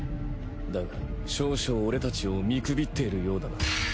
だが少々俺たちを見くびっているようだな。